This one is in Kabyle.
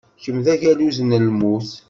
Kemm d agaluz n lmut.